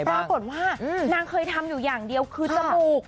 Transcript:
ปรากฏว่านางเคยทำอยู่อย่างเดียวคือจมูก